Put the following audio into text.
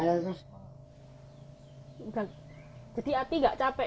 jadi ati nggak capek ya pak